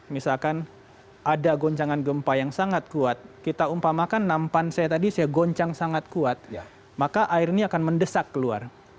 misalkan ada goncangan gempa yang sangat kuat kita umpamakan nampan saya tadi saya goncang sangat kuat maka air ini akan mendesak keluar